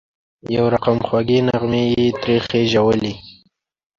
یو رقم خوږې نغمې یې ترې خېژولې.